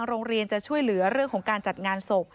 โรงเรียนจะช่วยเหลือเรื่องของการจัดงานศพ